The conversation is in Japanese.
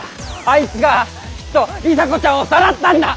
あいつがきっと里紗子ちゃんをさらったんだ！